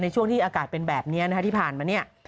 ในช่วงที่อากาศเป็นแบบนี้ที่ผ่านมา